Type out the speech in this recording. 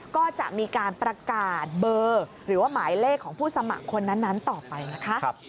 ก็จะมีการประกาศเบอร์หรือว่าหมายเลขของผู้สมัครคนนั้นต่อไปนะคะ